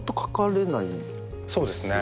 そうですよね。